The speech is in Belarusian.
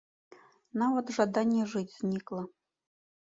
Нават жаданне жыць знікла.